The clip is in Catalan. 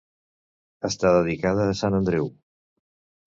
Està dedicada a sant Andreu.